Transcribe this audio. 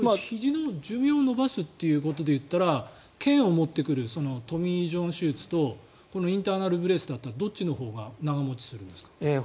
ひじの回復のことを考えたら腱を持ってくるトミー・ジョン手術とインターナル・ブレースだったらどっちのほうが長持ちするんですか？